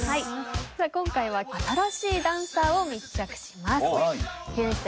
今回は新しいダンサーを密着します。